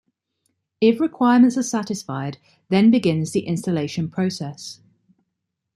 If requirements are satisfied, then begins the installation process.